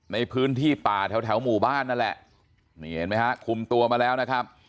ในพื้นที่ป่าแถวแถวหมู่บ้านนั่นแหละนี่เห็นไหมฮะคุมตัวมาแล้วนะครับ